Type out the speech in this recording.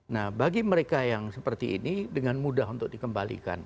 nah bagi mereka yang seperti ini dengan mudah untuk dikembalikan